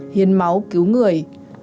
hiến máu cứu người